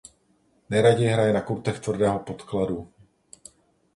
Nejraději hraje na kurtech tvrdého podkladu.